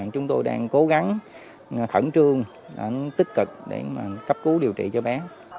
chúng tôi đang cố gắng khẩn trương tích cực để cấp cứu điều trị cho bé